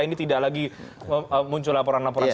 ini tidak lagi muncul laporan laporan